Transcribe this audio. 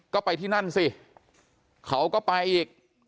ก็ไปที่นั่นสิเขาก็ไปอีก